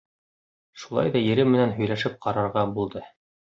Шулай ҙа ире менән һөйләшеп ҡарарға булды.